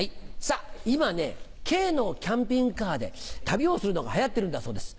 今ね軽のキャンピングカーで旅をするのが流行ってるんだそうです。